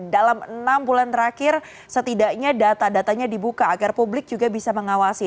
dalam enam bulan terakhir setidaknya data datanya dibuka agar publik juga bisa mengawasi